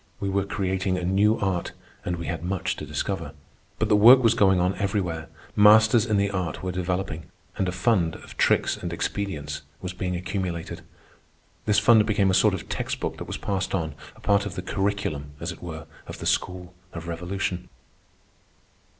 We were creating a new art, and we had much to discover. But the work was going on everywhere; masters in the art were developing, and a fund of tricks and expedients was being accumulated. This fund became a sort of text book that was passed on, a part of the curriculum, as it were, of the school of Revolution.